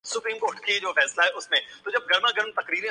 مجھے پیاس لگی ہے